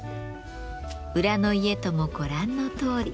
裏の家ともご覧のとおり。